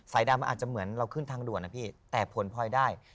ดำมันอาจจะเหมือนเราขึ้นทางด่วนนะพี่แต่ผลพลอยได้